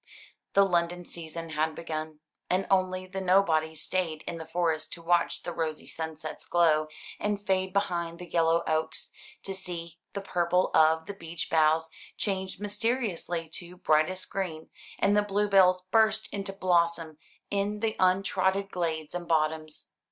The London season had begun, and only the nobodies stayed in the Forest to watch the rosy sunsets glow and fade behind the yellow oaks; to see the purple of the beech boughs change mysteriously to brightest green; and the bluebells burst into blossom in the untrodden glades and bottoms.